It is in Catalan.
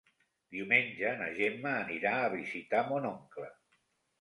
Diumenge na Gemma anirà a visitar mon oncle.